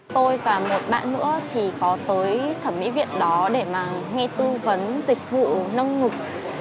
tôi và một bạn nữa thì có tới thẩm mỹ viện đó để mà nghe tư vấn dịch vụ nâng ngực